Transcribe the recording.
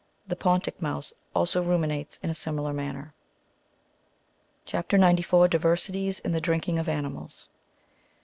The Pontic mouse ^^ also ruminates in a similar manner. CHAP. 94. DIYEESITIES IN THE DKINKING OF ANIMALS.